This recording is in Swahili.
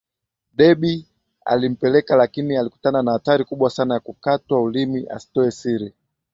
Debby alimpeleka lakini alikutana na hatari kubwa sana ya kukatwa ulimi asitoe siri